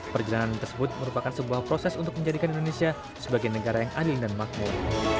perjalanan tersebut merupakan sebuah proses untuk menjadikan indonesia sebagai negara yang adil dan makmur